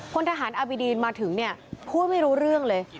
พลทหารอบิดีนมาถึงเนี่ยพูดไม่รู้เรื่องเลย